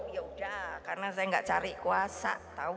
yaudah karena saya gak cari kuasa